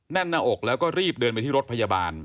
แน่นหน้าอกแล้วก็รีบเดินไปที่รถพยาบาล